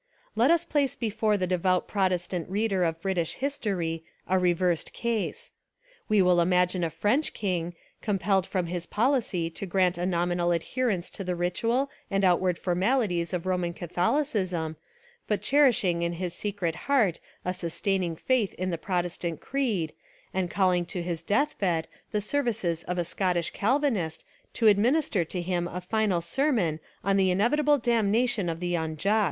Let us place before the devout Protestant reader of British history a reversed case. We will imagine a French king, compelled from his policy to grant a nominal adherence to the ritual and outward formalities of Roman Ca thohcism, but cherishing in his secret heart a sustaining faith in the Protestant creed and calling to his death bed the services of a Scot tish Calvinist to administer to him a final ser mon on the inevitable damnation of the unjust.